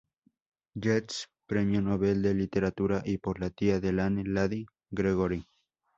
Yeats, Premio Nobel de Literatura, y por la tía de Lane, Lady Gregory.